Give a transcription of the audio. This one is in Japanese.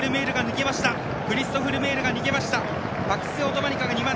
クリストフ・ルメールが逃げました。